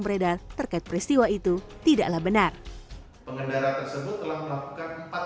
beredar terkait peristiwa itu tidaklah benar pengendara tersebut telah melakukan empat